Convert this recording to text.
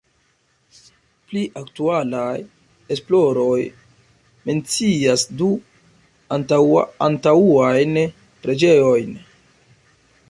Pli aktualaj esploroj mencias du antaŭajn preĝejojn.